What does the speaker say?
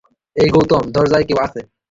এই গৌতম, দরজায় কেউ আছে।